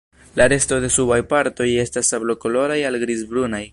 La resto de subaj partoj estas sablokoloraj al grizbrunaj.